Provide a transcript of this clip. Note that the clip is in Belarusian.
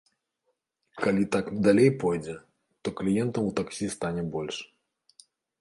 Калі так далей пойдзе, то кліентаў у таксі стане больш.